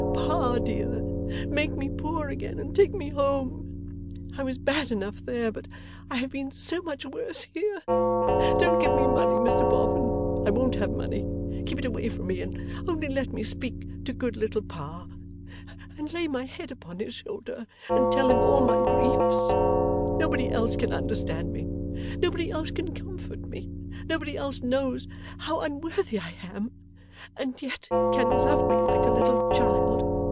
Pa, dear, make me poor again and take me home! I was bad enough there, but I have been so much worse here. Don't give me money, Mr Boffin, I won't have money. Keep it away from me, and only let me speak to good little Pa, and lay my head upon his shoulder, and tell him all my griefs. Nobody else can understand me, nobody else can comfort me, nobody else knows how unworthy I am, and yet can love me like a little child.